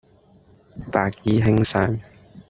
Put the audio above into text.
白衣卿相